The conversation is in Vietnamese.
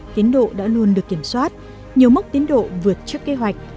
tiến độ đã luôn được kiểm soát nhiều mốc tiến độ vượt trước kế hoạch